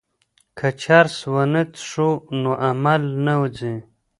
که چرس ونه څښو نو عقل نه ځي.